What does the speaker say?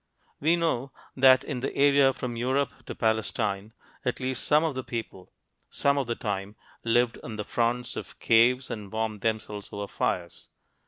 We know that in the area from Europe to Palestine, at least some of the people (some of the time) lived in the fronts of caves and warmed themselves over fires.